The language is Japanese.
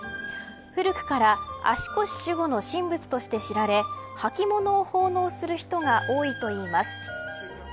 古くから足腰守護の神仏として知られ履き物を奉納する人が多いといいます。